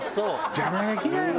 邪魔できないわ。